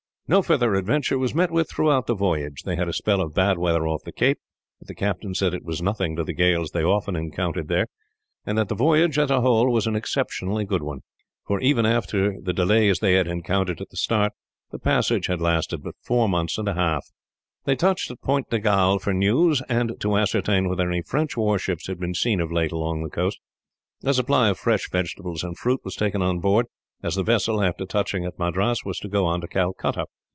No further adventure was met with, throughout the voyage. They had a spell of bad weather off the Cape, but the captain said it was nothing to the gales they often encountered there, and that the voyage, as a whole, was an exceptionally good one; for, even after the delays they had encountered at the start, the passage had lasted but four months and a half. They touched at Point de Galle for news, and to ascertain whether any French warships had been seen, of late, along the coast. A supply of fresh vegetables and fruit was taken on board, as the vessel, after touching at Madras, was to go on to Calcutta.